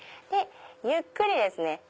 ゆっくりですね